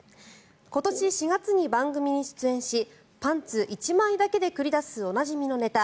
今年４月に番組に出演しパンツ１枚だけで繰り出すおなじみのネタ